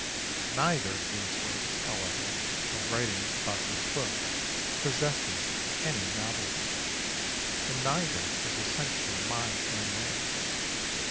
Neither of these ways, however, of writing about this book possesses any novelty, and neither is essentially my own way.